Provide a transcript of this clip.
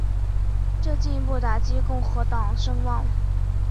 这进一步打击共和党声望。